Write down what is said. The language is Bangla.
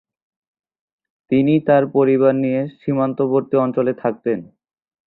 তিনি তার পরিবার নিয়ে সীমান্তবর্তী অঞ্চলে থাকতেন।